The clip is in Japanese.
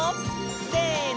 せの！